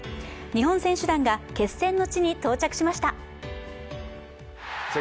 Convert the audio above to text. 日本選手団が、決戦の地に到着しました。